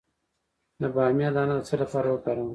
د بامیې دانه د څه لپاره وکاروم؟